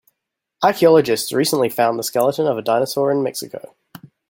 Archaeologists recently found the skeleton of a dinosaur in Mexico.